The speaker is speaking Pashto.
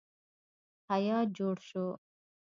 هیات جوړ شو.